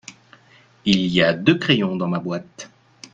Il y a deux crayons dans ma boîte.